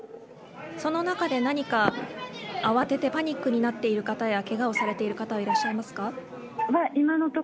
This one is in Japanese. その中で何か慌ててパニックになっている方やけがをされている方はいらっしゃいますか。